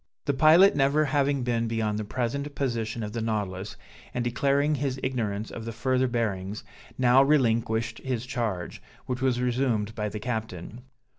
The pilot never having been beyond the present position of the Nautilus, and declaring his ignorance of the further bearings, now relinquished his charge, which was resumed by the captain.